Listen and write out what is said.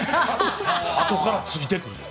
あとからついてくると。